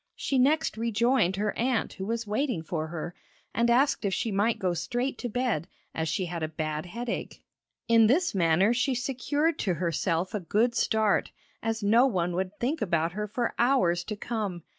She next rejoined her aunt who was waiting for her, and asked if she might go straight to bed, as she had a bad headache. In this manner she secured to herself a good start, as no one would think about her for hours to come.